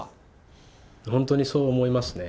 本当にそう思いますね。